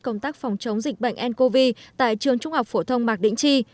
công tác phòng chống dịch bệnh ncov tại trường trung học phổ thông mạc đĩnh tri